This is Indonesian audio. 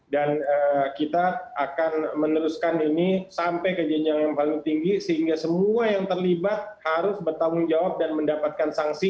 dan kita akan meneruskan ini sampai ke jenjang yang paling tinggi sehingga semua yang terlibat harus bertanggung jawab dan mendapatkan sanksi